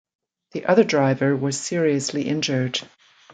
The other driver was seriously injured.